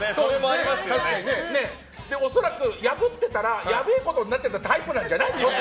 恐らく、破ってたらやべえことになってるタイプなんじゃないかなと。